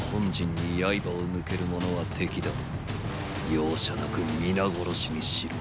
容赦なく皆殺しにしろ。